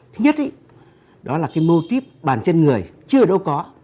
thứ nhất đó là cái mô típ bàn chân người chưa ở đâu có